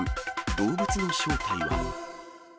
動物の正体は？